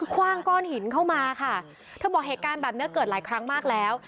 ว่างก้อนหินเข้ามาค่ะเธอบอกเหตุการณ์แบบนี้เกิดหลายครั้งมากแล้ว